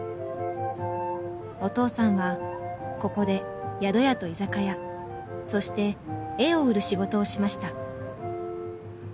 「お父さんはここで宿屋と居酒屋そして絵を売る仕事をしました」